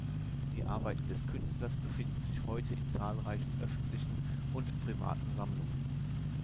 Die Arbeiten des Künstlers befinden sich heute in zahlreichen öffentlichen und privaten Sammlungen.